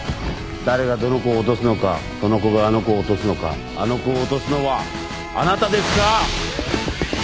誰がどの子を落とすのかその子があの子を落とすのかあの子を落とすのはあなたですか？